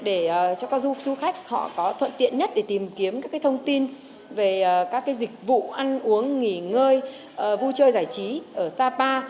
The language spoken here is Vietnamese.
để cho các du khách họ có thuận tiện nhất để tìm kiếm các thông tin về các dịch vụ ăn uống nghỉ ngơi vui chơi giải trí ở sapa